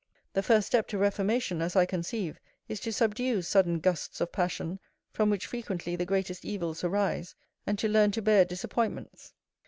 The first step to reformation, as I conceive, is to subdue sudden gusts of passion, from which frequently the greatest evils arise, and to learn to bear disappointments.